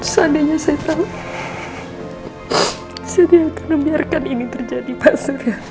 seandainya saya tahu saya membiarkan ini terjadi pak surya